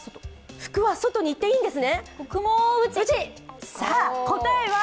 福は外に行っていいんですか？